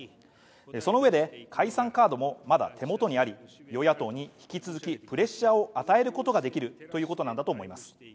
その上で解散カードもまだ手元にあり、与野党に引き続きプレッシャーを与えることができるということなんだと思います。